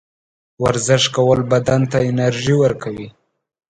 ورزش کول بدن ته انرژي ورکوي.